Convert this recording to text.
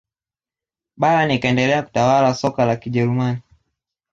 bayern ikaendelea kutawala soka la kijerumani